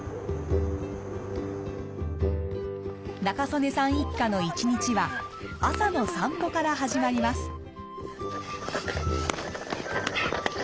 仲宗根さん一家の一日は朝の散歩から始まります。